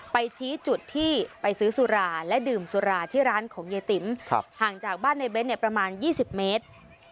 ไปชี้จุดที่ไปซื้อสุราและดื่มสุราที่ร้านของยายติ๋มห่างจากบ้านในเบ้นประมาณ๒๐เมตร